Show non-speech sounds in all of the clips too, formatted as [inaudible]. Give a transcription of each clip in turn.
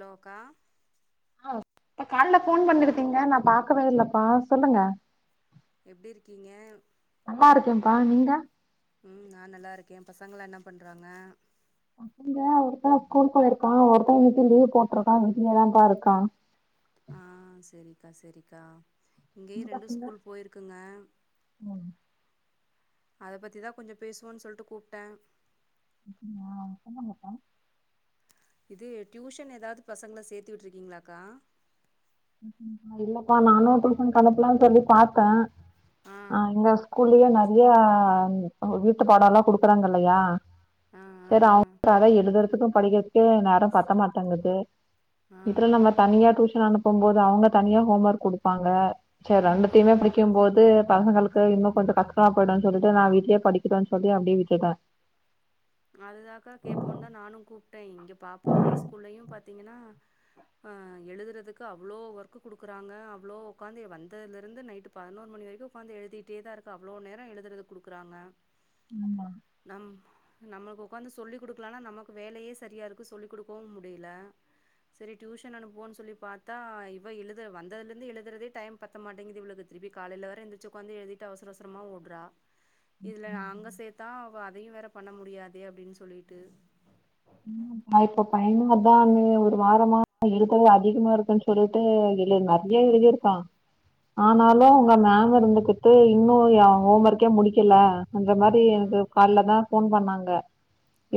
லோகா ஆஹ் இப்ப கால்ல போன் பண்ணிருந்தீங்க நா பாக்கவே இல்லபா சொல்லுங்க எப்டி இருக்கீங்க நல்லா இருக்கேப்பா நீங்க உம் நான் நல்லா இருக்கே பசங்கல என்ன பண்றாங்க யா ஒருத்தவ ஸ்கூல் போயிருக்க ஒருத்தவ இன்னைக்கு லீவ் போட்டிருக்கா வீட்லே தா இருக்கான் ஆஹ் செரி ஆ செரிக்கா இங்கேயு உங்க ரெண்டு பசங்க ஸ்கூல் போயிருகுங்க அத பத்திதா கொஞ்ச பேசுவோன்னு சொல்லிட்டு கூப்பிட்டேன் ஆமாப்ப இது டியூஷன் ஏதாவது பசங்கள சேத்து விட்டு இருக்கீங்களா கா இல்லப்பா நானு டுசோன் னுப்புலானு சொல்லி பாத்த ஆ ஆஹ் னுவ ஸ்கூல் [unintelligible] நறியா ம் அ வீட்டு பாடோ எல்லா குடுக்குறாங்க இல்லையா ஆ ஆ செரி [inaudible] அத எழுதறதுக்கு படிக்கறதுக்கே நேரம் பத்த மாட்டங்குது ஆ ஆ இதர நம்ம தனியா டூஸ் ரி அனுப் போம்போது அவுங்க தனியா ஹோம் ஒர்க் குடுப்பாங்க சர் ரண்டுத்தையுமே ம் பிடிக்கும்போது பசங்களுக்கு இன்னு கொஞ்சோ கஷ்டமா போயிடுன்‌ சொல்லிட்டு நா வீட்லியே படிக்றா சொல்லி அப்டியே விட்டுட்டே அதுதாக்கா கேப்போன் தா நானு கூப்ட்டே இங்கப் பாப்பா ஸ்கூல்லயு பாத்தீங்கனா அஹ் எழுதுறதுக்கு அவ்ளோ ஒர்க்கு குடுக்குறாங்க அவ்ளோ உக்காந்தி வந்ததுல இருந்து நைட்டு பதினோரு மணி வரைக்கு உக்காந்து எழுதிட்டே தா இருக்கா அவ்ளோ நேரோ எழுதுறது குடுக்குறாங்க [unintelligible] நம்மளுக்கு உக்காந்து சொல்லிக் குடுக்கலானா நமக்கு வேலயே சரியாருக்கு சொல்லிக் குடுக்கவும் முடியில செரி டியூஷன் அனுப்புவோன் சொல்லி பாத்தா இவ எழுத வந்ததுலிந்து எழுதறதே டைம் பத்த மாட்டிங்கிது இவுளுது திருப்பி காலைல வேற எந்திரிச்சி உக்காந்து எழுதிட்டு அவசர அவசரமா ஓட்றா இதுல நா அங்க சேத்தா அவ அதையு வேற பண்ண முடியாதே அப்டின் சொல்லீட்டு [inaudible] நா இப்ப பையனு அத்தா அண்ணி ஒரு வாரமா எழுதறது அதிகமா இருக்குன் சொல்லிட்டு எழு நறிய எழுதிருக்கா ஆனாலு ம் அவுங்க மேம் இருந்துகிட்டு இன்னு ஏ ஹோம் ஒர்க்கே முடிக்கல அந்த மாரி ம் எனக்கு ம் கால்ல தா ஃபோன் பண்ணாங் ங்க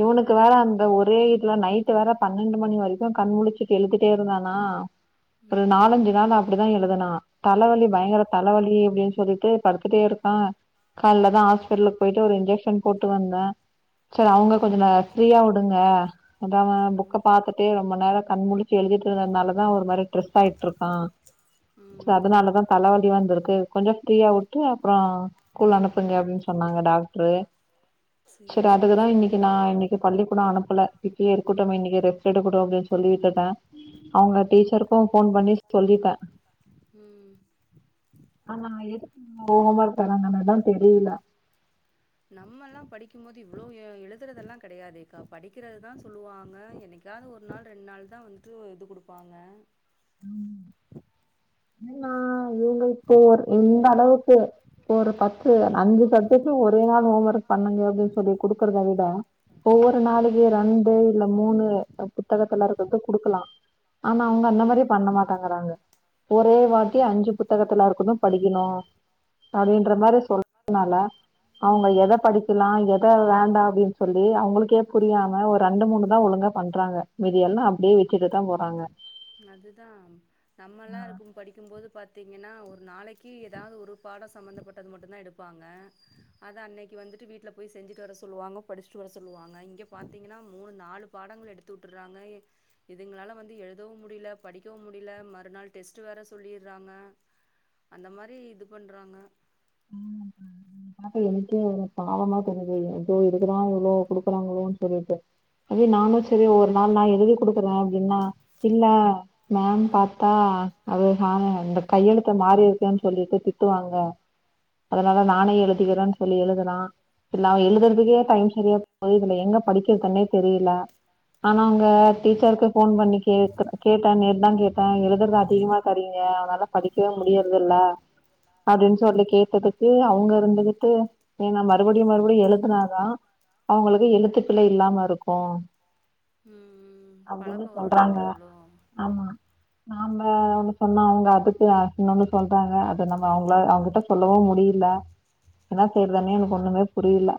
இவனுக்கு வேற அந் வீட்ல நைட் வேற பன்னெண்டு மணி வரைக்கு கண் முழுச்சுட்டு எழுதிட்டே இருந்தானா ம் ஒரு ம் நாலஞ்சு நாளு அப்டிதா எழுதுனா தலைவலி ம் பயங்கர தலைவலி அப்டின் சொல்லிட்டு படுத்துட்டே இருக்கா கால்லதா ஹாஸ்பிட்லுக் போயிட்டு ஒரு இன்ஜெக்ஷன் போட்டு வந்தே சேர் அவுங்க கொஞ்சோ ம் ந ஃப்ரீயா உ ங்க அது அவ ம் புக்க பாத்துட்டே ம்ப நேரோ கண்முழுச்சு எழுதிட்டு இருந்ததுனாலதா ஒருமாரி ட்ரெஸ் ஆயிட்ருக்கா ச்ச ம் அதனாலதா தலைவலி வந்திருக்கு கொஞ்சோ ஃப்ரீயா விட்டு அப்றோ கூல் அனுப்புங்க அப்டின் சொன்னாங்க டாக்ட்ரு சேரி செரி சேரி அதுக்குதா சேரி இன்னிக்கு நா இன்னிக்கு பள்ளி அனுப்பல இப்டியே இருக்கட்டுமே இன்னிக்கி ரெஸ்ட் எட் இருக்கட்டு அப்டின் சொல்லி விட்டுட்டே அவுங்க ம் டீச்சருக்கூ ஃபோன் பண்ணி சொல்லிட்டே ம் ஆனா எதுக் [inaudible] ஹோம்ஒர்க் தராங்கனுதா தெரில நம்ம எல்லா படிக்கு போது இவ்ளோ எழுதுறதெல்லா கெடையாதேக்கா படிக்கிறதுதா சொல்லுவாங்க என்னைக்காவது ஒரு நாள் ரெண்டு நாள் தா வந்துட்டு இது குடுப்பாங்க நா இவங்க இப்போ ஒர் இந்த அளவுக்கு ஒரு பக்கு க்கு அஞ்சு சப்ஜட்டு ஒரே நாள் ஹோம் ஒர்க் பண்ணுங்க அப்டின்னு சொல்லி குடுக்கறதே விட் டா ஒவ்வொரு ம் நாளுலியே ரெண்டு இல்ல மூணு புத்தகத்துல இருக்கிறது குடுக்கலா ஆனா அவங்க அந்த ம் மாரி விடமாட்டாங்கறாங்க ஒரே ம் வாட்டி ம் அஞ்சு புத்தகத்தல்ல இருக்கது படிக்கணு ம் அப்டின்ற மாரி சொல்றதுனால அவங்க எத படிக்கலா எத வேண்டா அப்படின்னு சொல்லி அவங்களுக்கே புரியாம ஒரு ரெண்டு மூணுதா ஒழுங்க பண்றாங்க மீதியல்லா அப்டியே விட்டுட்டு தா போறாங்க நம் நம்மல்லா ஆ இருக்கு படிக்கும்போது பாத்தீங்கன்னா ஒரு நாளைக்கு ஏதாவது ஒரு பாடோ சம்மந்தப்பட்டது மட்டு தா எடுப்பாங்க அதை அன்னைக்கு வந்துட்டு வீட்டில் போய் செஞ்சுட்டு வர சொல்லுவாங்க படிச்சுட்டு வர சொல்லுவாங்க இங்கே பாத்தீங்கன்னா மூணு நாலு பாடங்கள் எடுத்து உட்டுறாங்க இதுங்களா வந்து எழுதவு முடியல படிக்கவு முடியல மறுநாள் டெஸ்ட் வேற சொல்லிறாங்க அந்த மாரி இது பண்றாங்க பாத்த என்கே பாவமா தெரியுது ஐயோ எதுக்கு தா இவ்ளோ குடுக்குறாங்களோனு சொல்லிட்டு அதே நானு சரி ம் ஒரு நாள் நா எழுதி குடுக் குறோ அப்படின்னா இல்ல மேம் பாத்தா அது [unintelligible] இந்த கையெழுத்த மாறி இருக்கேனு சொல்லிட்டு திட்டுவாங்க அதனால நானே எழு கிறோ சொல்லி எழுதுறா இல்ல எழுதுறதுக்கே டைம் சரியா போயிருது இதுல எங்க படிக்க வெக்கர்னே தெரியில ஆனா அவங்க டீச்சர்க்கு ஃபோன் பண்ணி கே கேட்டே நேத் தா கேட்டே எழுதுறது அதிகமா தரிங்க அதனால படிக்கவே முடியறதில்ல அப்படின் சொல்லி கேட்டதுக்கு அவங்க இருந் [unintelligible] ஏனா மறுபடியு மறுபடியு எழுத்துனாதா அவங்களுக்கு எழுத்துக்பிழ இல்லாம இருக்கு ம் ம் அப்படினு பழக்கம் வரும்ன்னு சொல்றாங்க சொல்றாங்களோ ஆமா நாம ம் ஒண்ணு சொன்னா அவங்க அதுக் [unintelligible] என்னமோ சொல்றாங்க அத நம்ம அவங்கள அவங்ககிட்ட சொல்லவு முடியல என்ன செய்யறதுனே எனக் ம் ஒண்ணுமே புரியல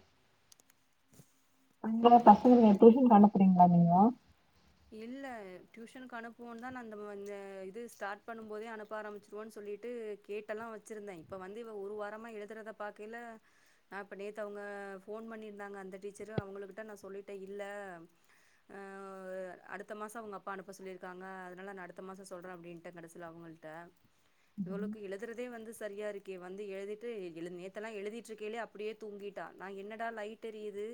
அங்க பசங்கல டியூஷன்க்கு அனுப்புறிங்களா நீங்க இல்ல டியூஷனுக்கு அனுப்புவோனு தா நா இந்த இது ஸ்டார்ட் பண்ணும் போதே அனுப்ப ஆரம்பிச்சிருவோன் சொல்லிட்டு கேட்டல்லா வச்சிருந்தேன் இப்ப வந்து இவ ஒரு வாரமா எழுதுறத பாக்கைல நா இப்ப நேத்தவங்க ஃபோன் பண்ணிருந்தாங்க அந்த டீச்சரு அவங்களுகிட்ட நா சொல்லிட்டே இல்ல ஆ அடுத்த மாசோ அவங்க அப்பா அனுப்ப சொல்லியிருக்காங்க அதனால நான் அடுத்த மாசோ சொல்றே அப்டின்ட்டே கடைசில அவங்கள்ட இவளுக்கு எழுதுறதே வந்து சரியா இருக்க வந்து எழுதிட்டு எழு நேத்தெல்லா எழுதிட்டுருக்கைலே அப்படியே தூங்கிட்டா நா என்னடா லைட எரியுது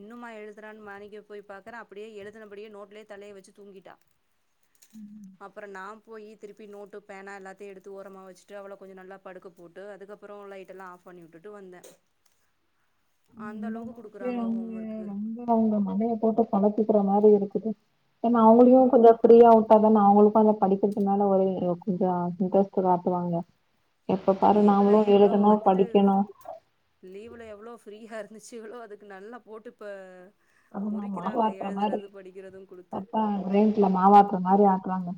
இன்னும்மா எழுதுறான்னு மாணிக்க போய் பாக்கறே அப்படியே எழுதுனபடியே நோட்லே தலைய வச்சு தூங்கிட்டா அப்புற நா போய் திருப்பி நோட்டு பேனா எல்லாத்தையு எடுத்து ஓரமாக வச்சுட்டு அவ்வள கொஞ்சோ நல்லா படுக்க போட்டு அதுக்கப்புற லைட்டெல்லா ஆஃப் பண்ணி உட்டுட்டு வந்தே அந்த இந்த அளவுக்கு [unintelligible] குடுக்குறாங்க ஹோம் அவங்க ஒர்க்கு ரொம்ப அவங்க மண்டைய போட்டு குழப் பிற மாரி இருக்குது ஏனா அவங்களையு ம் கொஞ்சோ ஃப்ரீயாவுட்டாதான அவங்களு உக்காந்து படிக்கிறதுனால ஒரு கொஞ்சோ இன்ட்ரெஸ்ட் காட்டுவாங்க எப்ப இந்த பாரு லீவு்ல நாமளு எவ்ளோ எழுதணு வந்துட்டு படிக்கணு லீவு்ல எவ்ளோ ஃப்ரீயா இருந் துச்சு எவ்வளோ அதுக்கு நல்லா போட்டு இப்ப ஆமா முறிக்கிறாங்க மாவக்குற மாதிரி எழுதுறது படிக்கிறதும் குடுத்து அப்பா ரேண்ட்ல மாவக்குற மாதிரி ஆ இருக்ராங்க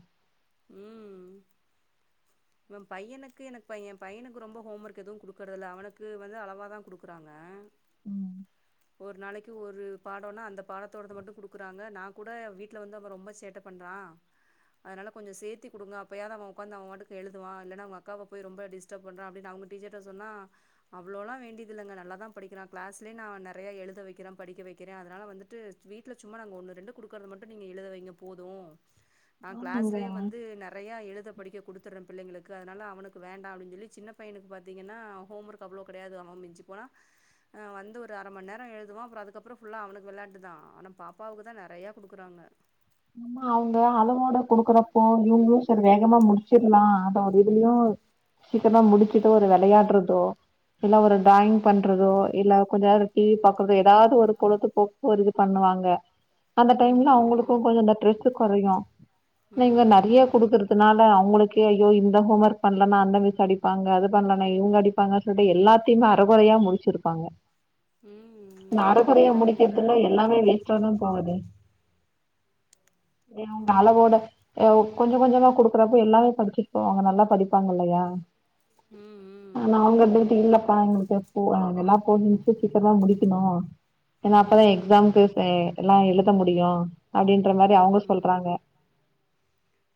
உம் பையனுக்கு எனக்கு பையன் பையனுக்கு ரொம்ப ஹோம் ஒர்க் எதுவும் கொடுக்குறத இல் அவனுக்கு வந்து அளவா தான் கொடுக்குறாங்க உம் ஒரு நாளைக்கு ஒரு பாடம்னா அந்த பாடத்தோடத மட்டும் கொடுக்குறாங்க நா கூட வீட்டில் வந்து நம் ரொம்ப சேட்டை பண்ணுறான் அதனால் கொஞ்சம் சேர்த்தி கொடுங்க அப்பயாவ அவன் உக்காந்து அவன்வாட்டுக்கு எழுதுவான் இல்லன்னா அவுங்க அக்காவ போய் ரொம்ப டிஸ்டர்ப் பன்றா அப்டினு அவுங்க டீச்சர்ட சொன்னா அவ்ளோலாம் வேண்டியதில்லங்க நல்ல தான் படிக்கிறான் கிளஸ்லே நா நெறைய எழுத வக்கிறே படிக்க வக்கிறே அதனால வந்துட்டு வீட்டில் சும்மா நாங்க ஒன்னு ரெண்டு கொடுக்கறத மட்டும் நீங்க எழுத வைங்க போதும் ஆஹ் கிளாஸ் ஆமாங்க லயே வந்து நெறைய எழுத படிக்க கொடுத்துறே பிள்ளைங்களுக்கு அதனால அவனுக்கு வேண்டாம் அப்டின்னு சொல்லி சின்ன பையனுக்கு பாத்தீங்கன்னா ஹோம் ஒர்க் அவ்வளோ கிடையாது அவன் மிஞ்சு போனாஹ் வந்து ஒரு அரை மணி நேரம் எழுதுவான் அப்புறம் அதுக்கப்புறம் ஃபுல்லா அவனுக்கு விளையாட்டுதான் ஆனா பாப்பாவுக்கு தான் நெறைய கொடுக்குறாங்க ஆம்மா அவங்க அளவோட கொடுக்குறப்போ இவங்களும் சரி வேகமா முடிச்சிரலாம் அதோ ஒரு இதுலயும் சீக்கிரமா முடிச்சுட்டு ஒரு விளையாடுறதோ இல்ல ஒரு டிராயிங் பண்றதோ இல்ல கொஞ்சம் நேர டிவி பாக்குறதோ ஏதாவது ஒரு பொழுத்து போக்கு ஒரு இது பண்ணுவாங்க அந்த ம் டைம்ல அவுங்களுக்கு ம் கொஞ்சம் ஸ்ட்ரெஸ் குறையும்ன ம் இங்க நெறைய கொடுக்கறதுனால அவங்களுக்கு கே ஐயோ இந்த ஹோம் ஒர்க் பண்ணலன்னா அந்த மிஸ் அடிப்பாங்க அது பண்ணலனா இவுங்க அடிப்பாங்கன்னு சொல்லிட்டு எல்லாத்தையுமே அறக்கொரையா முடிச்சிருப்பாங்க ம் ம் ம் ம் நாரக்குறையா அப்டிதா போல முடிக்கிறதுல எல்லாமே வேஸ்டாதான் போவுது ஏங்க உங் அளவோட அ கொஞ்சம் கொஞ்சமா குடுக்குறப்ப எல்லாமே படிச்சட்போவாங்க நல்லா படிப்பாங்க இல்லையா ம் ம் ஆனா அவுங்க டியூட்டி இல்ல ப்ப அவங்களுக்கு போ அதல்லாம் போஷன்ஸ் சீக்கிரமா முடிக்கணும் ஏன்னா அப்பதான் ம் ம் எக்ஸாம்க்கு எல்லாம் எழுத முடியும் உம்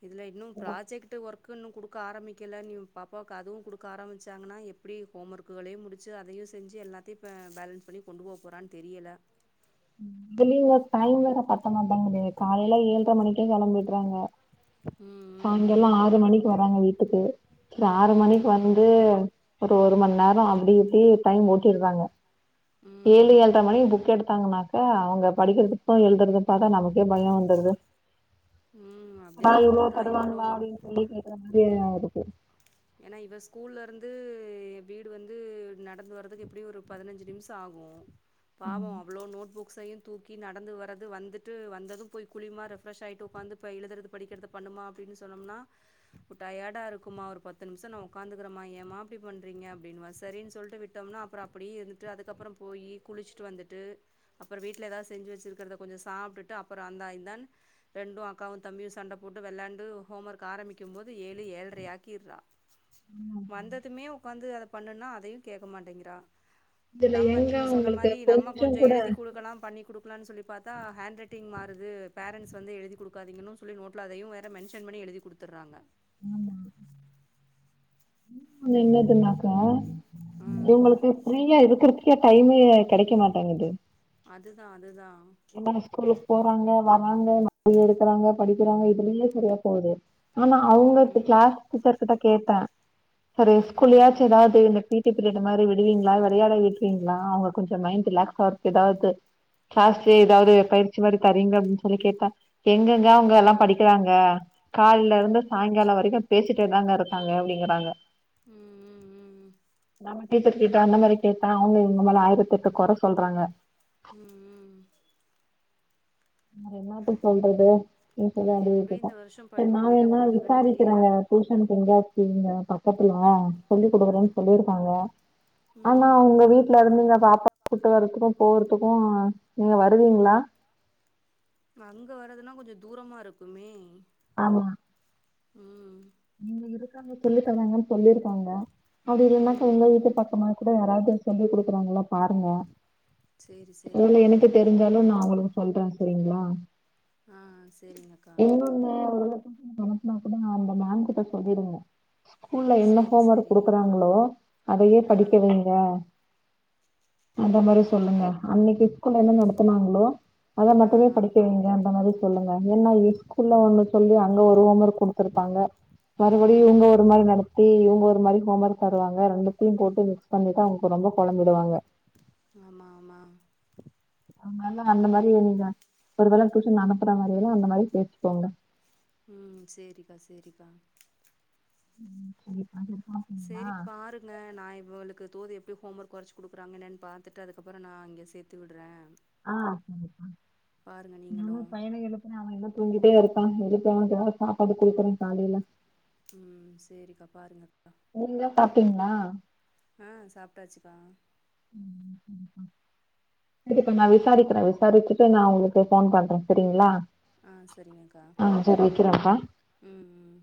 இதுல இன்னும் ப்ராஜெக்ட் ஒர்க்க இன்னும் குடுக்க ஆரம்பி க்கல நீ உன் பாப்பாவுக்கு அதுவும் குடுக்க ஆரம்பிச்சாங்கன்னா எப்டி ஹோம் ஒர்க்ககளையும் முடிச்சு அதையும் செஞ்சு எல்லாத்தையும் பே பேலன்ஸ் பண்ணி கொண்டு போக போறான்னு தெரியல ம் இதுலயும்ங்க டைம் வேற பத் த்த மாட்டேங்குது காலையில ஏழரை மணிக் கே கிளம்பிடுறாங்க ம் ம் ம் சாய்ங்கல்லம் ஆறு மணிக்கு வராங்க வீட்டுக்கு சரி ஆறு மணிக்கு ம் வந்து ஒரு ஒரு மணி நேரம் அப்டி இப்டி டைம் ஓட்டிடுறாங்க ஏழு ம் ம் ஏழ்ரை மணிக்கு புக்கெடுத் தாங்கனாக் கா அவுங்க படிக்கிறதுக்கும் எழுதுறதும் பாத்தா நமக்கே பயம் வந்துருது ம் அப்டிதா அதான் இவ்வளோ பண்றா இவளு தருவாங்களா அப்டின்னு சொல்லி கேக்குற மாதிரி இருக்கு ஏன்னா இவ ஸ்கூல்ல இருந்து வீடு வந்து நடந்து வர்துக்கு எப்டியும் ஒரு பதினஞ்சு நிமிசம் ஆகும் பாவம் அவ்ளோ நோட்புக் புக்சயும் தூக்கி நடந்து வர்ரது வந்துட்டு வந்ததும் போய் குளிமா ரெஃப்ரெஷ் ஆகிட்டு உட்காந்து ப எழுதுறது படிக்கிறது பண்ணுமா அப்படின்னு சொன்னம்னா டயர்டா இருக்குமா ஒரு பத் த்து நிமிசொ நா உக்காந்துக்கரமா ஏமா இப்டி பண்ணுறீங்க அப்படின்னுவா சரின்னு சொல்ட்டு விட்டோம்னா அப்புறம் அப்படியே இருந்துட்டு அதுக்கப்புறம் போய் குளிச்சுட்டு வந்துட்டு அப்புறம் வீட்டில் எதாவது செஞ்சு வெச்சிருக்கிறத கொஞ்சோ சாப்பிட்டுட்டு அப்புறம் அந்தா இந்தானு ரெண்டூ அக்காவும் தம்பியும் சண்ட போட்டு விளாண்டு ஹோம் ஒர்க் ஆரம்பிக்கும் போது ஏழு ஏழரையாக்கிர்றா வந்ததுமே உக்காந்து அத பண்ணுனா அதையு கேட்க மாட்டேங்கிறா இதுல நம்ம எங்க நீங்க சொன்ன உங்களுக்கு மாரி நம்ம கொஞ்சோ கூட எழுதி குடுக்கலா பண்ணி குடுக்கலானு சொல்லி பாத்தா ஹேண்ட் ரைட்டிங் மாறுது பேரன்ட்ஸ் வந்து எழுதி குடுக்காதிங்கனும் சொல்லி நோட்ல அதையும் வேற மென்ஷன் பண்ணி எழுதி குடுத்தர்றாங்க ஆமா ன்னு என்னதுனாக்கா ஆ இவங்களுக்கு ஃப்ரீயா இருக்கிறதுக்கே டைமே கிடைக்க மாட்டங்குது அதுதா அதுதா என்னா ஸ்கூ போறாங்க வராங்க [unintelligible] எடுக்கறாங்க படிக்கிறாங்க இதுலயே சரியா போது ஆமா ம் அவங்கத்து ம் கிளாஸ் டீச்சர்கிட்ட கேட்ட சரு ஸ்கூல்லயாச்சு ம் எதாவது இல்லாட்டி ஃப்ரீ ப்ரீடு மாரி விடுவீங்ளா விளையாட விடுரீங்களா அவுங்க கொஞ்சோ மைண்ட் ரிலாக்ஸ் ஆவ்ருக்கு எதாவது சேர் எதாவது பயிற்சி மாரி தர்ரீங்க அப்படின்னு சொல்லி கேட்டா எங்கெங்க அவுங்க எல்லா படிக்கறாங்க ம் காலைல ம் இருந்து சாயங்காலோ வரைக்கு பேசிட்டு இப்படியே தாங்க இருக்காங்க அப்படிங்கிறாங்க ம் ம் ம் நம டீச்சர் கிட்ட அந்த மாரி கேட்டா அவுங்க இவங்க மேல ஆயிரத்தெட்டு குற சொல்றாங்க உம் உம் வேற என்னத்த சொல்றது எப்டி இந்த [unintelligible] வருஷோ சரி படிப்பு நா முடிக்க வேனா போதுகன்னு தெரியல விசாரிக்கிறங்க டியூஷன்க்கு எங்காச் சேரிங்க பக் கத்துல சொல்லி குடுக்கறன்னு சொல்லிருக்காங்க ஆனா ம் அவுங்க வீட்ல இருந்து பாப்பா கூட்டு வரதுக்கும் போறதுக்கும் நீங்க வருவீங்களா அங்க வரறதுன்னா கொஞ்சோ தூரமா இருக்குமே ஆமா உம் இங்க இருக்காங்க சொல்லித் தராங்கன்னு சொல்லிருக்காங்க அப்படி இல்லைனா ம் சொல்லுங்க ம் வீட்டு பக்கமா கூட யாராவது சொல்லி குடுக்ககறாங்களா பாருங்க சேரி சேரி இல்ல எனக்கு தெரிஞ்சாலு நா உங்களுக்கு சொல்றேன் சரிங்களா ஆ சேரிங்கக்கா இன்னொன்னு ஒரு கொஞ்சோ இங்க அனுப்புனா கூட அந்த மேம் கிட்ட சொல்லிருங்க ஸ்கூல்ல என்ன சேரி ஹோம் ஒர்க் சேரி குடுக்குறாங்ளோ அதையே ஆ படிக்க வைங்க அந்த மாரி சொல்லுங்க அன்னைக்கு ஸ்கூல்ல என்ன நடத்துனாங்ளோ அத ஆ மட்டுமே ஆ படிக்க வைங்க அந்த மாதிரி சொல்லுங்க ஏன்னா ஸ்க்கூல்ல ஒண்ணு சொல்லி அங்க ஒரு ஹோமர்க் குடுத்துருக்காங்க ம் மறுபடி இவங்க ம் ஒரு மாதிரி நடத்தி இவங்க ஒரு மாதிரி ஹோமர்க் தருவாங்க ரெண்டுத்தையும் போட்டு மிக்ஸ் பண்ணித்தா அவங்க ரொம்ப குழம்பிடுவாங்க ஆமா ஆமா அவங்கலா அந்த மாதிரி நீங்க ஒரு வேள டியூஷன் அனுப்புற மாதிர எல்லாம் அந்த மாதிரி பேசி கொங்க உம் சரிக்கா சரிக்கா உம் சரி பாப்பீங்களா சரி பாருங்க நா இவளுக்கு தோதிப்படி ஹோம் ஒர்க் வரைச்ச கொடுறங்கன்னு பாத்துகிட்டு நான்ங்கே சேர்த்து விடுறே ஆஹ் பாருங்க நீங்களு நானும் பையன எழுப்புன அவன் இன்னு தூங்கி அப்பா இருக்கான் எதுப்ப [unintelligible] சாப்பாடு குடுக்குறேன் காலையில உம் சரிக்கா பாருங்க நீங்க சாப்டீங்களா ஆஹ் சாப்பிட்டாச்சுக்கா சரிப்பா நா விசாரிக்றே விசாரிச்சுட்டு நா உங்களுக்கு போன் பண்றே செரிங்ளா ஆஹ் சரிங்கக்கா ம்ம்